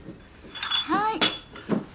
はい。